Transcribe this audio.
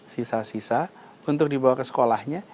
sisa sisa untuk dibawa ke sekolahnya